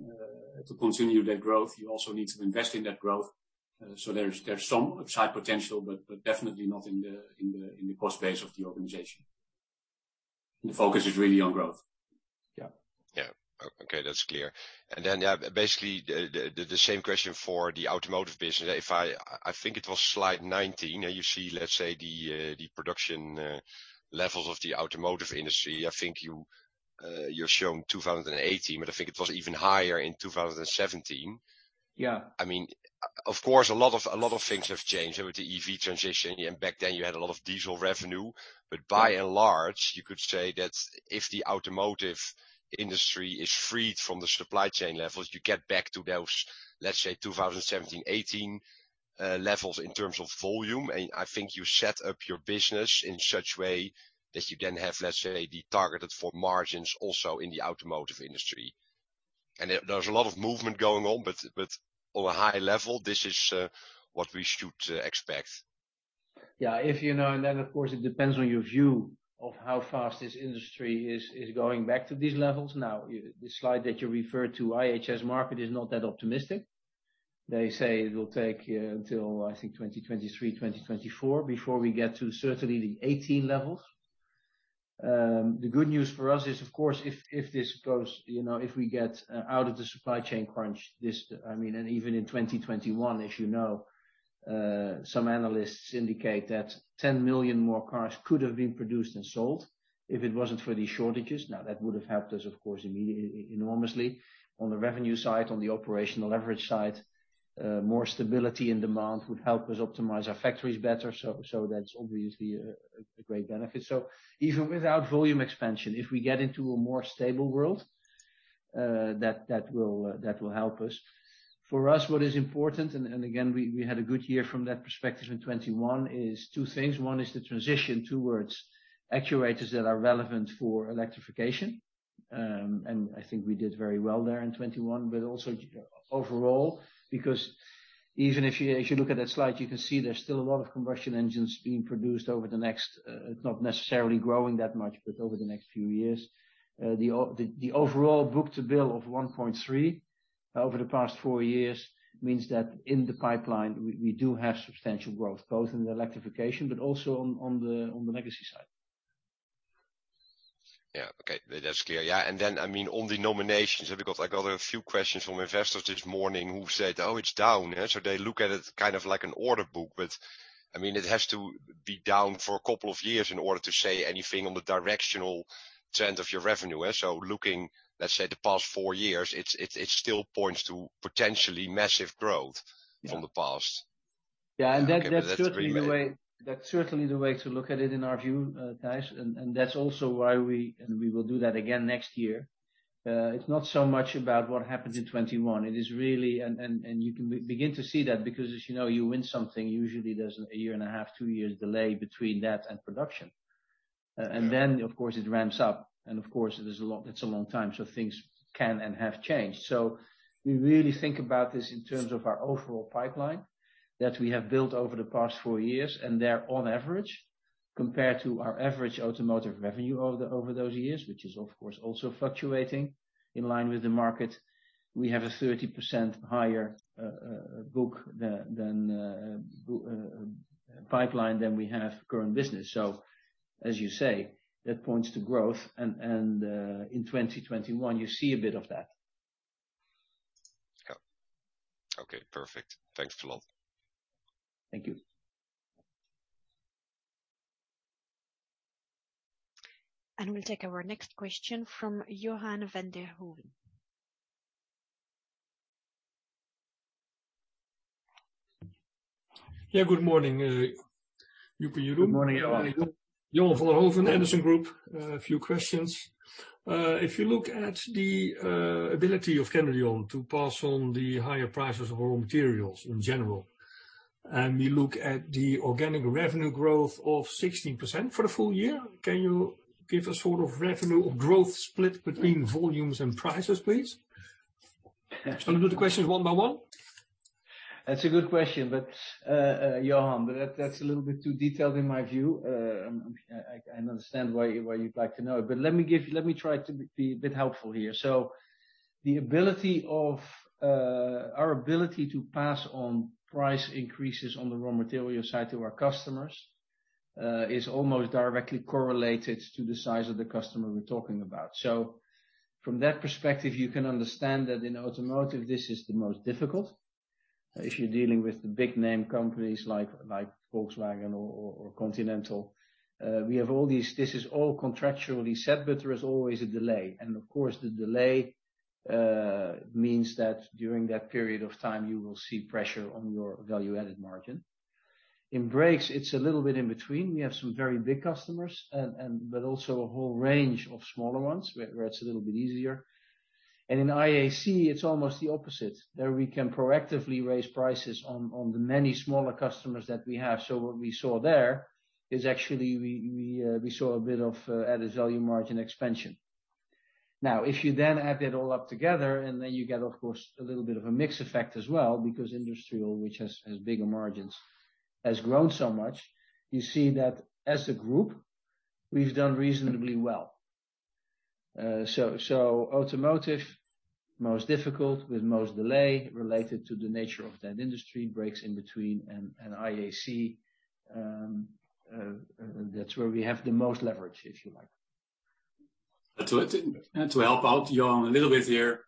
to continue that growth, you also need to invest in that growth. There's some upside potential, but definitely not in the cost base of the organization. The focus is really on growth.
Okay. That's clear. Yeah, basically the same question for the automotive business. I think it was slide 19. You see, let's say, the production levels of the automotive industry. I think you're showing 2018, but I think it was even higher in 2017.
Yeah.
I mean, of course, a lot of things have changed with the EV transition. Back then you had a lot of diesel revenue. By and large, you could say that if the automotive industry is freed from the supply chain levels, you get back to those, let's say 2017, 2018 levels in terms of volume. I think you set up your business in such way that you then have, let's say, the targeted for margins also in the automotive industry. There, there's a lot of movement going on, but on a high level, this is what we should expect.
Yeah. You know, and then of course it depends on your view of how fast this industry is going back to these levels. Now, the slide that you refer to, IHS Markit is not that optimistic. They say it will take until I think 2023, 2024 before we get to certainly the 18 levels. The good news for us is of course if this goes, you know, if we get out of the supply chain crunch, I mean, and even in 2021 as you know, some analysts indicate that 10 million more cars could have been produced and sold if it wasn't for these shortages. Now, that would have helped us of course immediately enormously on the revenue side, on the operational leverage side. More stability and demand would help us optimize our factories better. That's obviously a great benefit. Even without volume expansion, if we get into a more stable world, that will help us. For us, what is important, and again, we had a good year from that perspective in 2021, is two things. One is the transition towards actuators that are relevant for electrification. I think we did very well there in 2021, but also overall, because even if you look at that slide, you can see there's still a lot of combustion engines being produced over the next, not necessarily growing that much, but over the next few years. The overall book-to-bill of 1.3 over the past 4 years means that in the pipeline we do have substantial growth, both in the electrification but also on the legacy side.
Yeah. Okay. That's clear. Yeah. Then, I mean, on the nominations, because I got a few questions from investors this morning who said, "Oh, it's down." They look at it kind of like an order book. I mean, it has to be down for a couple of years in order to say anything on the directional trend of your revenue. Looking, let's say the past four years, it still points to potentially massive growth.
Yeah.
from the past.
Yeah.
Okay, that's pretty well.
That's certainly the way to look at it in our view, Thijs. That's also why we will do that again next year. It's not so much about what happens in 2021. It is really you can begin to see that because as you know, you win something, usually there's a year and a half, two years delay between that and production.
Yeah.
Then of course it ramps up. Of course, it is a long time, so things can and have changed. We really think about this in terms of our overall pipeline that we have built over the past four years. They're on average, compared to our average automotive revenue over those years, which is of course also fluctuating in line with the market. We have a 30% higher pipeline than we have current business. As you say, that points to growth. In 2021 you see a bit of that.
Yeah. Okay, perfect. Thanks, Philant.
Thank you.
We'll take our next question from Johan van den Hooven.
Yeah, good morning, Joep and Jeroen.
Good morning, Johan.
Johan van den Hooven, Edison Group. A few questions. If you look at the ability of Kendrion to pass on the higher prices of raw materials in general, and we look at the organic revenue growth of 16% for the full year, can you give a sort of revenue growth split between volumes and prices, please? Shall we do the questions one by one?
That's a good question, Johan, but that's a little bit too detailed in my view. I understand why you'd like to know, but let me try to be a bit helpful here. Our ability to pass on price increases on the raw material side to our customers is almost directly correlated to the size of the customer we're talking about. From that perspective, you can understand that in automotive this is the most difficult. If you're dealing with the big name companies like Volkswagen or Continental, this is all contractually set, but there is always a delay. Of course, the delay means that during that period of time you will see pressure on your value-added margin. In Brakes it's a little bit in between. We have some very big customers and but also a whole range of smaller ones where it's a little bit easier. In IAC it's almost the opposite. There we can proactively raise prices on the many smaller customers that we have. What we saw there is actually we saw a bit of added value margin expansion. Now, if you then add that all up together and then you get of course a little bit of a mix effect as well, because Industrial, which has bigger margins, has grown so much, you see that as a group we've done reasonably well. Automotive most difficult with most delay related to the nature of that industry. Brakes in between. IAC, that's where we have the most leverage, if you like.
To help out Johan a little bit here.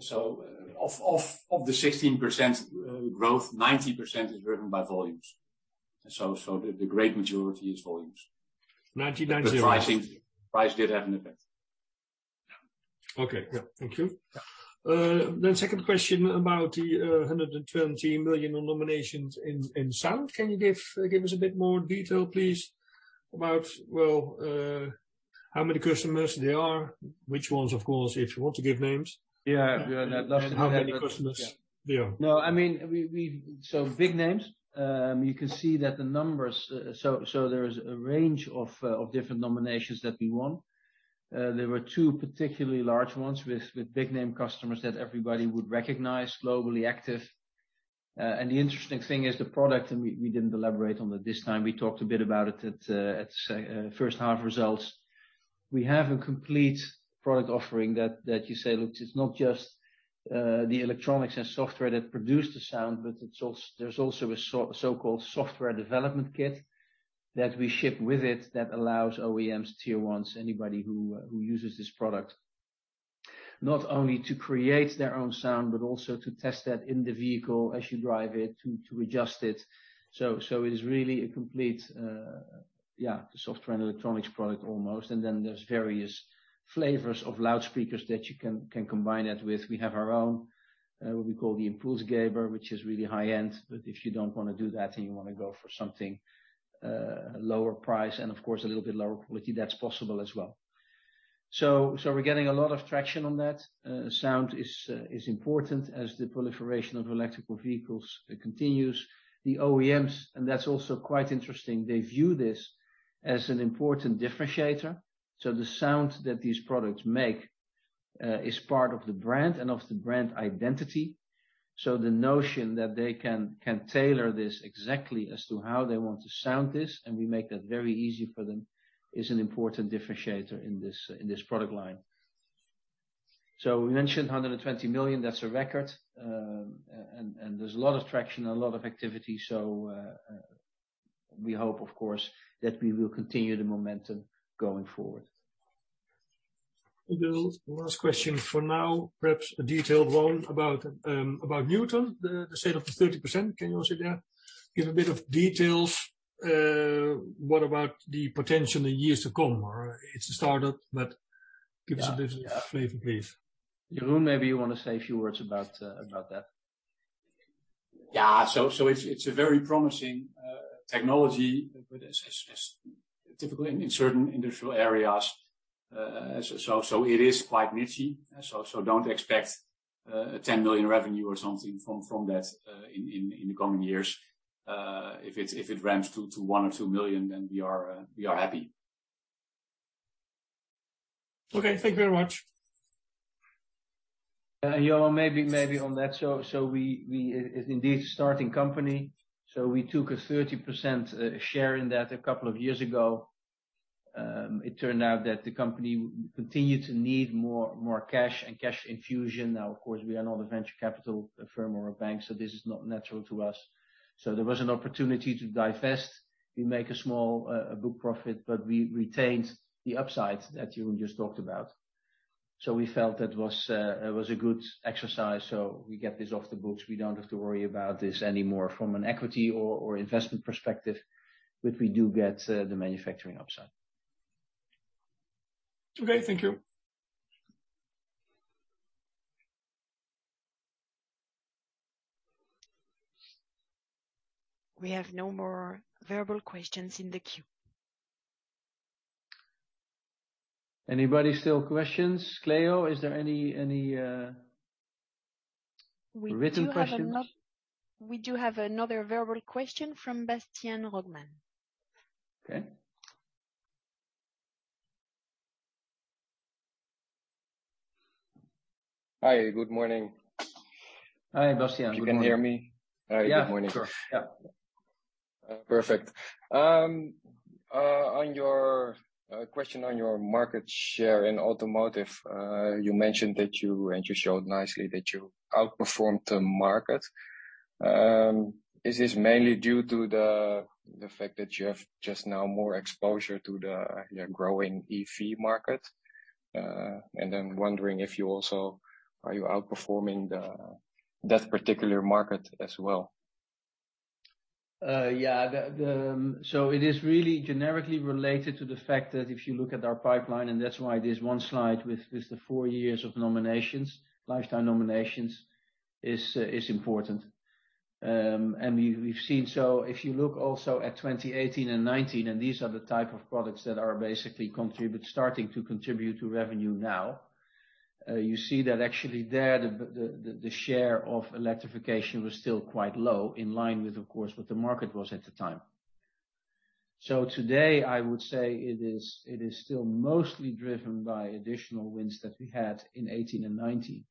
Of the 16% growth, 90% is driven by volumes.
The great majority is volumes.
99%.
Pricing, price did have an effect.
Okay. Yeah. Thank you.
Yeah.
Second question about the 120 million nominations in sound. Can you give us a bit more detail, please, about how many customers there are? Which ones, of course, if you want to give names.
Yeah. Yeah.
How many customers there are?
No, I mean, we so big names, you can see that the numbers, so there's a range of different nominations that we won. There were two particularly large ones with big name customers that everybody would recognize, globally active. The interesting thing is the product, and we didn't elaborate on it this time. We talked a bit about it at first half results. We have a complete product offering that you say, "Look, it's not just the electronics and software that produce the sound, but there's also a so-called software development kit that we ship with it that allows OEMs, tier ones, anybody who uses this product, not only to create their own sound, but also to test that in the vehicle as you drive it, to adjust it." It is really a complete software and electronics product almost. Then there's various flavors of loudspeakers that you can combine it with. We have our own what we call the Impulsgeber, which is really high-end. But if you don't wanna do that, and you wanna go for something lower price and of course a little bit lower quality, that's possible as well. We're getting a lot of traction on that. Sound is important as the proliferation of electric vehicles continues. The OEMs, and that's also quite interesting, they view this as an important differentiator. The sound that these products make is part of the brand and of the brand identity. The notion that they can tailor this exactly as to how they want to sound this, and we make that very easy for them, is an important differentiator in this product line. We mentioned 120 million, that's a record. There's a lot of traction, a lot of activity. We hope, of course, that we will continue the momentum going forward.
Last question for now. Perhaps a detailed one about Newton, the sale of the 30%. Can you also there give a bit of details? What about the potential in years to come? Or it's a startup, but give us a different flavor, please.
Jeroen, maybe you want to say a few words about that.
Yeah, it's a very promising technology, but as is typically in certain industrial areas. It is quite niche. Don't expect 10 million revenue or something from that in the coming years. If it ramps to 1 million or 2 million, then we are happy.
Okay. Thank you very much.
Joep, maybe on that. It is indeed a startup company, so we took a 30% share in that a couple of years ago. It turned out that the company continued to need more cash and cash infusion. Now, of course, we are not a venture capital firm or a bank, so this is not natural to us. There was an opportunity to divest. We make a small book profit, but we retained the upside that Jeroen just talked about. We felt that was a good exercise. We get this off the books. We don't have to worry about this anymore from an equity or investment perspective, but we do get the manufacturing upside.
Okay. Thank you.
We have no more verbal questions in the queue.
Anybody still questions? Cleo, is there any written questions?
We do have another verbal question from Bastian Rogmann.
Okay.
Hi. Good morning.
Hi, Bastian. Good morning.
You can hear me?
Yeah.
All right. Good morning.
Sure. Yeah.
Perfect. On your question on your market share in automotive, you mentioned that you, and you showed nicely, that you outperformed the market. Is this mainly due to the fact that you have just now more exposure to the growing EV market? And I'm wondering if you also are outperforming that particular market as well?
It is really generically related to the fact that if you look at our pipeline, and that's why this one slide with the four years of nominations, lifetime nominations, is important. If you look also at 2018 and 2019, and these are the type of products that are basically starting to contribute to revenue now, you see that actually the share of electrification was still quite low, in line with, of course, what the market was at the time. Today, I would say it is still mostly driven by additional wins that we had in 2018 and 2019,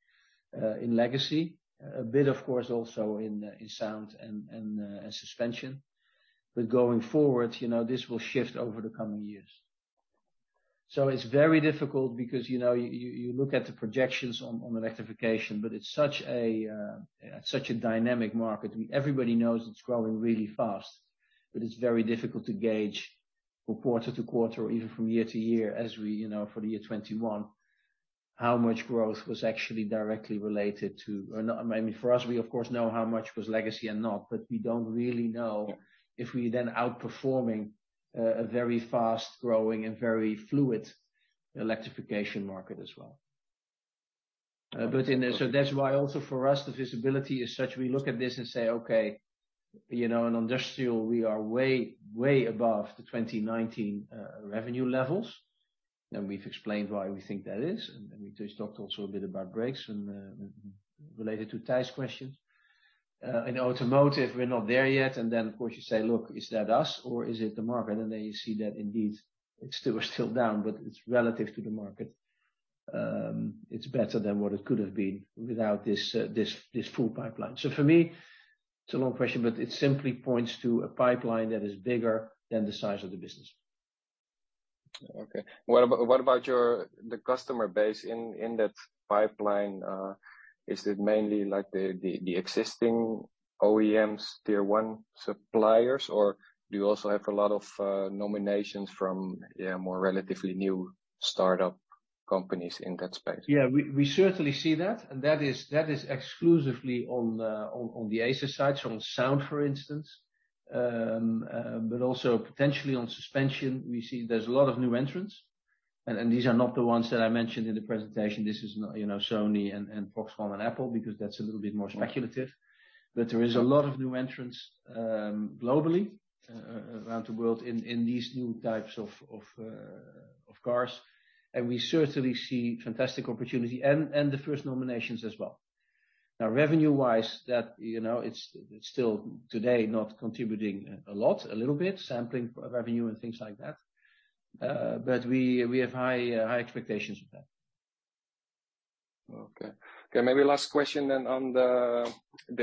in legacy. A bit, of course, also in sound and suspension. Going forward, you know, this will shift over the coming years. It's very difficult because, you know, you look at the projections on electrification, but it's such a dynamic market. Everybody knows it's growing really fast, but it's very difficult to gauge from quarter to quarter or even from year to year as we, you know, for the year 2021. How much growth was actually directly related to or not. I mean, for us, we of course know how much was legacy and not, but we don't really know if we're then outperforming a very fast-growing and very fluid electrification market as well. But that's why also for us, the visibility is such. We look at this and say, okay, you know, in Industrial we are way above the 2019 revenue levels. We've explained why we think that is, and we just talked also a bit about brakes and related to Tijs' question. In Automotive, we're not there yet. Of course you say, "Look, is that us or is it the market?" You see that indeed it's still down, but it's relative to the market. It's better than what it could have been without this full pipeline. For me, it's a long question, but it simply points to a pipeline that is bigger than the size of the business.
Okay. What about the customer base in that pipeline? Is it mainly like the existing OEMs, Tier 1 suppliers, or do you also have a lot of nominations from more relatively new startup companies in that space?
Yeah. We certainly see that, and that is exclusively on the EV's side, so on sound for instance. But also potentially on suspension, we see there's a lot of new entrants. These are not the ones that I mentioned in the presentation. This is not, you know, Sony and Foxconn and Apple, because that's a little bit more speculative. There is a lot of new entrants globally around the world in these new types of cars. We certainly see fantastic opportunity and the first nominations as well. Now, revenue-wise, that, you know, it's still today not contributing a lot, a little bit, sampling revenue and things like that. We have high expectations with that.
Okay, maybe last question then on the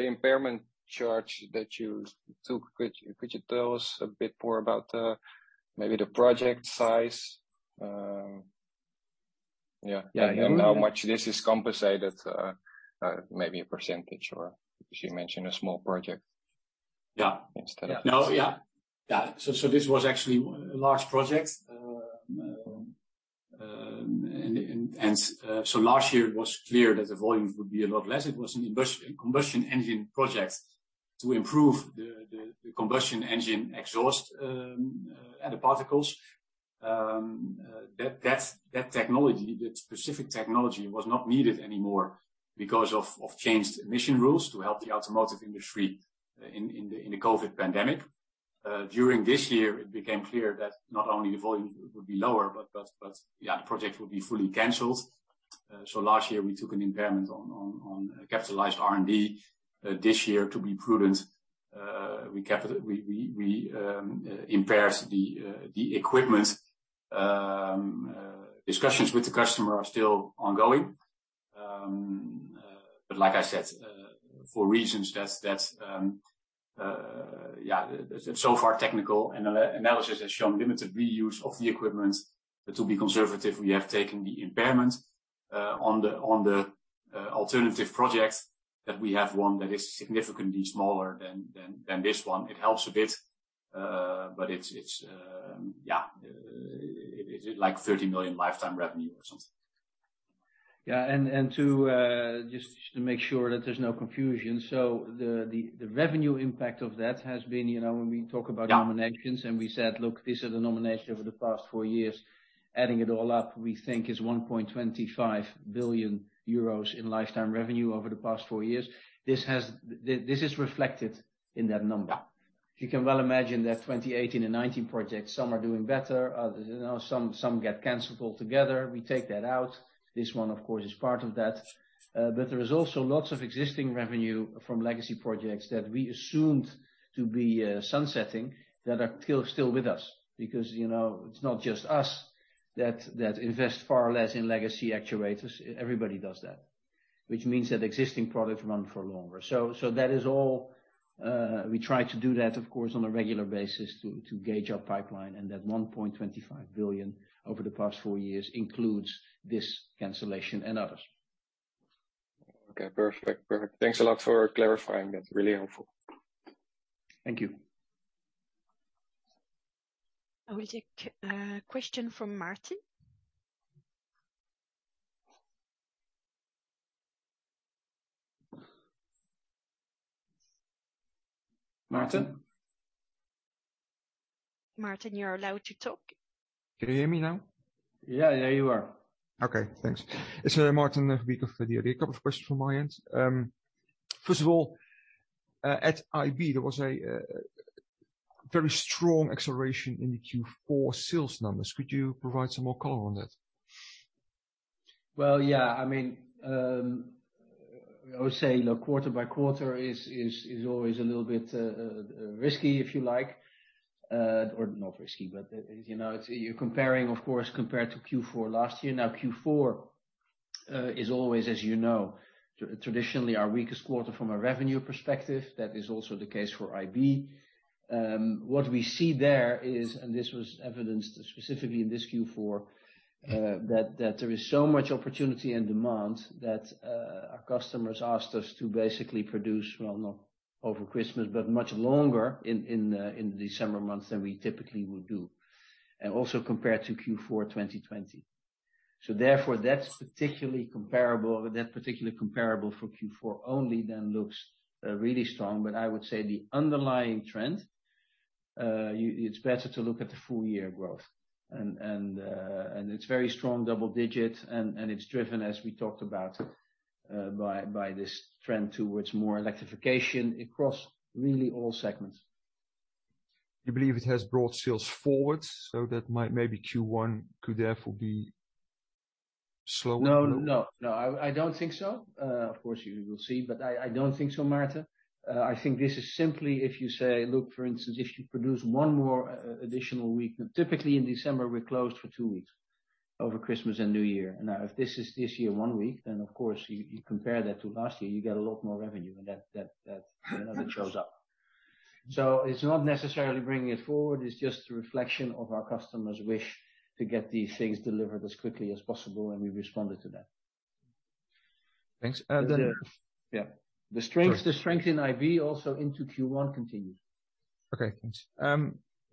impairment charge that you took. Could you tell us a bit more about maybe the project size? Yeah.
Yeah. You mean- How much this is compensated, maybe a percentage or. Because you mentioned a small project.
Yeah.
Instead of-
No. Yeah, this was actually a large project. Last year it was clear that the volumes would be a lot less. It was a combustion engine project to improve the combustion engine exhaust and the particles. That specific technology was not needed anymore because of changed emission rules to help the automotive industry in the COVID pandemic. During this year, it became clear that not only the volume would be lower, but the project would be fully canceled. Last year we took an impairment on capitalized R&D. This year to be prudent, we impaired the equipment. Discussions with the customer are still ongoing. Like I said, for reasons that so far technical analysis has shown limited reuse of the equipment. To be conservative, we have taken the impairment on the alternative project that we have one that is significantly smaller than this one. It helps a bit, but it's like 30 million lifetime revenue or something. Yeah. To just make sure that there's no confusion. The revenue impact of that has been, you know, when we talk about- Yeah. Nominations and we said, "Look, these are the nominations over the past four years." Adding it all up, we think is 1.25 billion euros in lifetime revenue over the past four years. This is reflected in that number. You can well imagine that 2018 and 2019 projects, some are doing better, you know, some get canceled altogether. We take that out. This one, of course, is part of that. But there is also lots of existing revenue from legacy projects that we assumed to be sunsetting that are still with us because, you know, it's not just us that invest far less in legacy actuators. Everybody does that. Which means that existing products run for longer. So that is all. We try to do that, of course, on a regular basis to gauge our pipeline, and that 1.25 billion over the past four years includes this cancellation and others.
Okay. Perfect. Perfect. Thanks a lot for clarifying that. Really helpful.
Thank you.
I will take a question from Martin.
Martin?
Martin, you're allowed to talk.
Can you hear me now?
Yeah. There you are.
Okay. Thanks. It's Martin of Abeco. A couple of questions from my end. First of all, at IB, there was a very strong acceleration in the Q4 sales numbers. Could you provide some more color on that?
Well, yeah. I mean, I would say look, quarter by quarter is always a little bit risky, if you like. Or not risky, but you know, it's. You're comparing, of course, compared to Q4 last year. Now, Q4 is always, as you know, traditionally our weakest quarter from a revenue perspective. That is also the case for IB. What we see there is, and this was evidenced specifically in this Q4, that there is so much opportunity and demand that, Our customers asked us to basically produce, well, not over Christmas, but much longer in the December months than we typically would do. Also compared to Q4 2020. Therefore, that's particularly comparable. That particular comparability for Q4 only then looks really strong. I would say the underlying trend, it's better to look at the full year growth. And it's very strong double-digit, and it's driven, as we talked about, by this trend towards more electrification across really all segments.
You believe it has brought sales forward, so that maybe Q1 could therefore be slower?
No, no. I don't think so. Of course you will see, but I don't think so, Maarten. I think this is simply if you say, look, for instance, if you produce one more additional week. Typically in December, we're closed for two weeks over Christmas and New Year. Now, if this year one week, then of course you compare that to last year, you get a lot more revenue, and that shows up. It's not necessarily bringing it forward, it's just a reflection of our customers' wish to get these things delivered as quickly as possible, and we responded to that.
Thanks.
Yeah. The strength in IB also into Q1 continues.
Okay, thanks.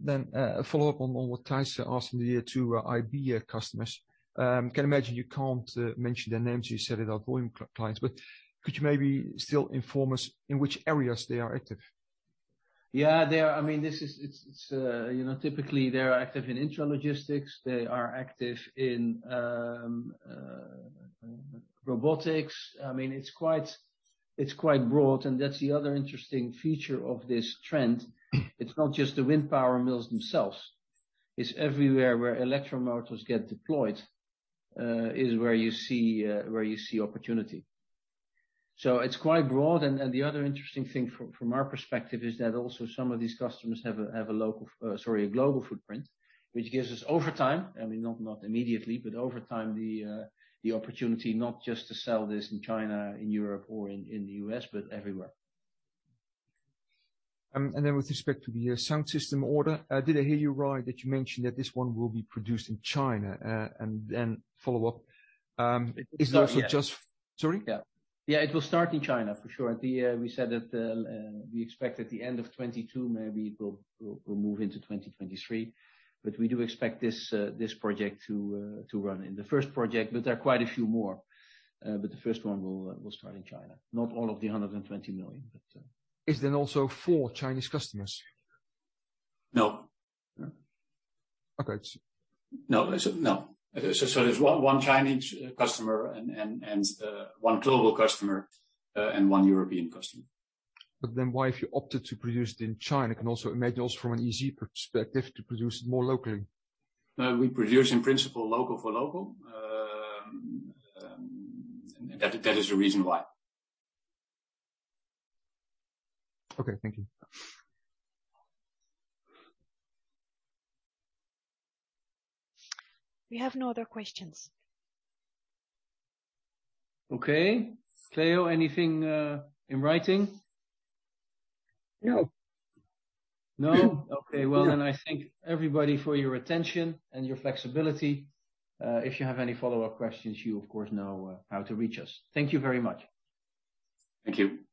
A follow-up on what Thijs asked earlier to IB customers. I can imagine you can't mention their names, you said they are volume clients, but could you maybe still inform us in which areas they are active?
Yeah, they are. I mean, it's, you know, typically, they are active in intralogistics. They are active in robotics. I mean, it's quite broad, and that's the other interesting feature of this trend. It's not just the wind power mills themselves. It's everywhere where electromotors get deployed is where you see opportunity. So it's quite broad. And the other interesting thing from our perspective is that also some of these customers have a global footprint, which gives us over time, I mean, not immediately, but over time the opportunity not just to sell this in China, in Europe or in the US, but everywhere.
With respect to the sound system order, did I hear you right that you mentioned that this one will be produced in China? Follow up, is it also just-
Sorry, yeah.
Sorry?
Yeah. It will start in China for sure. At the end, we said that we expect at the end of 2022, maybe it will move into 2023. We do expect this project to run. The first project, but there are quite a few more. The first one will start in China. Not all of the 120 million, but.
Is then also for Chinese customers?
No.
Okay.
No. No. There's one Chinese customer and one global customer and one European customer.
why, if you opted to produce it in China, can also make those from an easy perspective to produce it more locally?
No, we produce in principle local for local. That is the reason why.
Okay, thank you.
We have no other questions.
Okay. Cleo, anything in writing?
No.
No? Okay. Well, then I thank everybody for your attention and your flexibility. If you have any follow-up questions, you of course know how to reach us. Thank you very much.
Thank you.